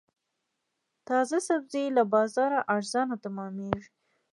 تازه سبزي له بازاره ارزانه تمامېږي.